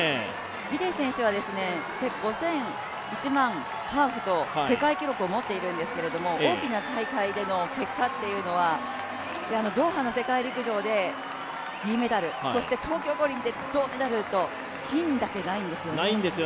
ギデイ選手は５０００、１００００、ハーフと世界記録を持っているんですが大きな大会での結果というのは、ドーハの世界陸上で銀メダル、東京五輪で銅メダルと、金だけないんですよね。